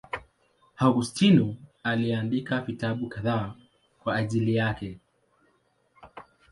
Augustino aliandika vitabu kadhaa kwa ajili yake.